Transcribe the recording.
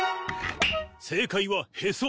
正解はへそ！